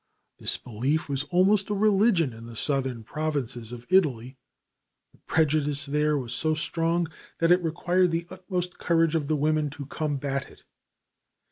This belief was almost a religion in the southern provinces of Italy; the prejudice there was so strong that it required the utmost courage of the women to combat it.